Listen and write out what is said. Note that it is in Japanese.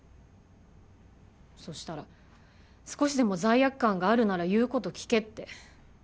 そしたら少しでも罪悪感があるなら言う事聞けって。